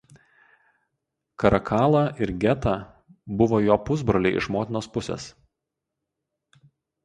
Karakala ir Geta buvo jo pusbroliai iš motinos pusės.